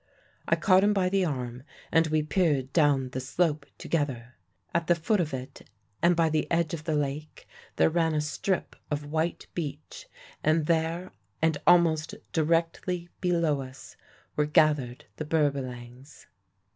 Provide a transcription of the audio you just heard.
"I caught him by the arm, and we peered down the slope together. At the foot of it, and by the edge of the lake, there ran a strip of white beach; and there, and almost directly below us, were gathered the Berbalangs.